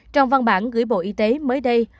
trong văn bản gửi bộ y tế mới đây